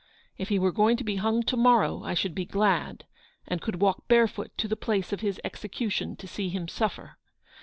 If he were going to be hung to morrow, I should be glad; and could walk barefoot to the place of his execution to see him suffer.